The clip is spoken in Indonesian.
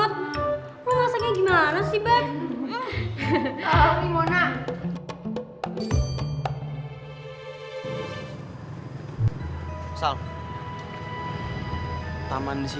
tuh kok udah gitu sih